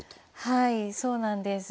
はいそうなんです。